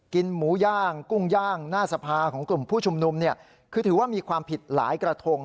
หมูย่างกุ้งย่างหน้าสภาของกลุ่มผู้ชุมนุมเนี่ยคือถือว่ามีความผิดหลายกระทง